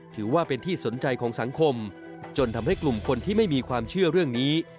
ถือว่าเป็นที่สนใจของสังคมจนทำให้กลุ่มคนที่ไม่มีความเชื่อเรื่องนี้